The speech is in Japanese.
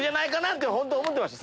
って本当は思ってました